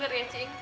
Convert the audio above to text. bener ya cik